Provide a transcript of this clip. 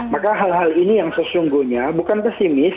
maka hal hal ini yang sesungguhnya bukan pesimis